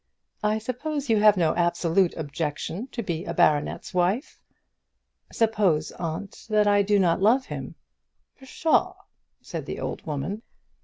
"I suppose you have no absolute objection to be a baronet's wife." "Suppose, aunt, that I do not love him?" "Pshaw!" said the old woman.